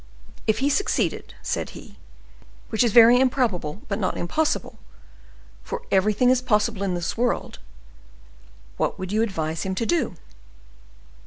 "If he succeeded," said he, "which is very improbable, but not impossible—for everything is possible in this world—what would you advise him to do?"